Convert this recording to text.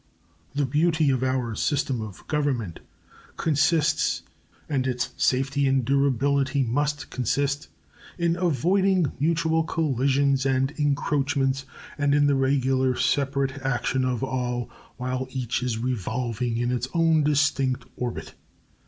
The beauty of our system of government consists, and its safety and durability must consist, in avoiding mutual collisions and encroachments and in the regular separate action of all, while each is revolving in its own distinct orbit.